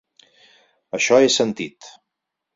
Això he sentit.